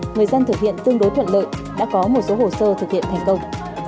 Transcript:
người dân thực hiện tương đối thuận lợi đã có một số hồ sơ thực hiện thành công